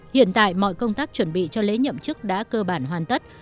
hiện tại mọi công tác chuẩn bị cho lễ nhậm chức đã cơ bản hoàn tất